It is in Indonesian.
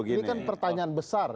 ini kan pertanyaan besar